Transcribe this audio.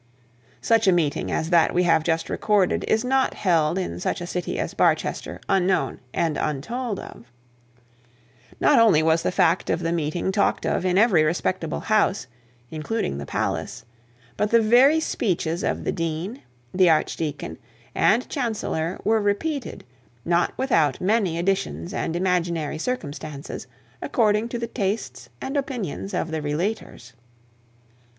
Such a meeting as that we have just recorded is not held in such a city as Barchester unknown and untold of. Not only was the fact of the meeting talked of in every respectable house, including the palace, but the very speeches of the dean, the archdeacon, and chancellor were repeated; not without many additions and imaginary circumstances, according to the tastes and opinions of the relaters.